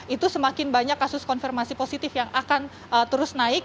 itu semakin banyak kasus konfirmasi positif yang akan terus naik